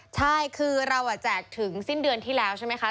ใช่คือเราแจกถึงสิ้นเดือนที่แล้วใช่ไหมคะ